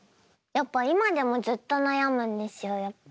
やっぱ今でもずっと悩むんですよ。